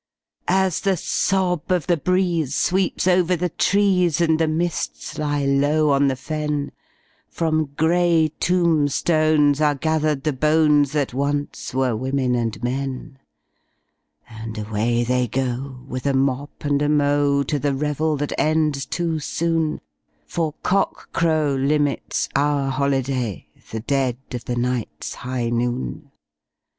As the sob of the breeze sweeps over the trees, and the mists lie low on the fen, From grey tombstones are gathered the bones that once were women and men, And away they go, with a mop and a mow, to the revel that ends too soon, For cockcrow limits our holiday—the dead of the night's high noon!